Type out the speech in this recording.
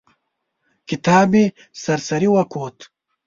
کتاب مې سر سري وکوت.